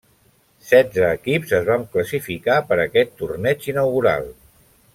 Setze equips es van classificar per a aquest torneig inaugural.